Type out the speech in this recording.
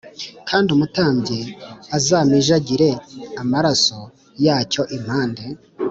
kandi umutambyi azaminjagire d amarasoe yacyo impande